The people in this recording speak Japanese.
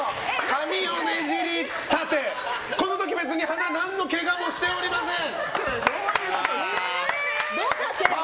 髪をねじり立てこの時、別に鼻何のけがもしておりません！